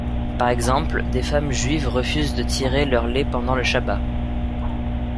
Par exemple, des femmes juives refusent de tirer leur lait pendant le shabbat.